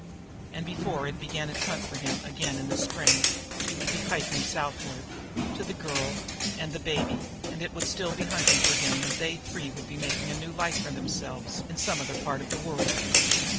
And before it began its hunt for him again in the spring he would be hiking southward, to the Girl and the Baby, and it would still be hunting for him when they three would be making a new home for themselves in some other part of the world.